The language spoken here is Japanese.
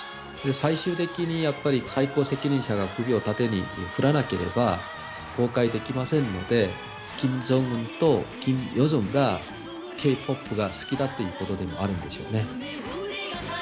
最終的にやっぱり、最高責任者が首を縦に振らなければ、公開できませんので、キム・ジョンウンとキム・ヨジョンがＫ−ＰＯＰが好きだということでもあるんでしょうね。